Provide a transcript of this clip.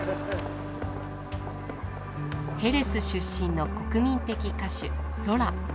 ヘレス出身の国民的歌手ロラ。